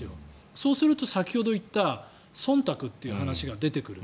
そうすると、先ほど言ったそんたくという話が出てくる。